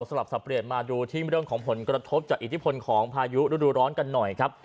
ลับสับเปลี่ยนมาดูที่เรื่องของผลกระทบจากอิทธิพลของพายุฤดูร้อนกันหน่อยครับ